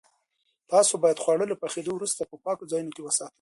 تاسو باید خواړه له پخېدو وروسته په پاکو ځایونو کې وساتئ.